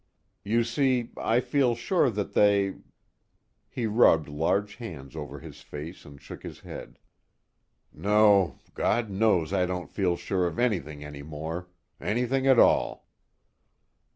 You see, I feel sure that they " he rubbed large hands over his face and shook his head "no, God knows I don't feel sure of anything any more. Anything at all."